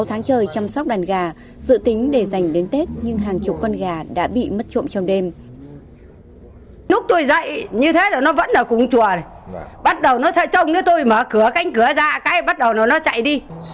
sáu tháng trời chăm sóc đàn gà dự tính để dành đến tết nhưng hàng chục con gà đã bị mất trộm trong đêm